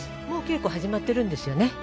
もう稽古始まっているんですよね？